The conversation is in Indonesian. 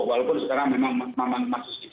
walaupun sekarang memang masih sedikit